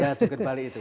ya jungkir balik itu